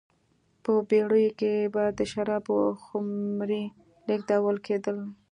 په بېړیو کې به د شرابو خُمرې لېږدول کېدلې